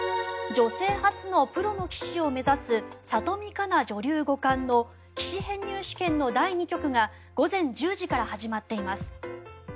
女性初のプロの棋士を目指す里見香奈女流五冠の棋士編入試験の第２局が午前１０時から始まっています。